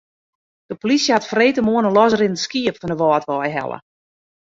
De polysje hat freedtemoarn in losrinnend skiep fan de Wâldwei helle.